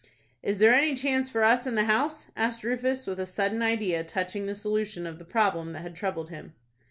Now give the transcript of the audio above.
"Is there any chance for us in the house?" asked Rufus, with a sudden idea touching the solution of the problem that had troubled him.